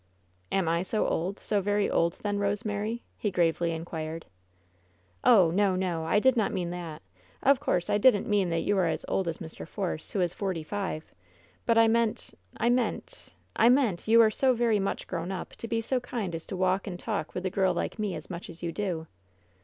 "Am I so old, so very old, then, Rosemary?'* he gravely inquired. "Oh, no, no; I did not mean that! Of course, I didn*t mean that you are as old as Mr. Force, who is forty five; but I meant — I meant — I meant — you are so very much grown up, to be so kind as to walk and talk with a girl like me as much as you do.